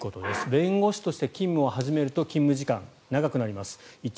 弁護士として勤務を始めると勤務時間が長くなります。